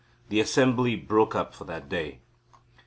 The assembly broke up for that day.